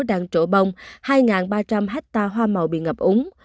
đang trổ bông hai ba trăm linh hectare hoa màu bị ngập úng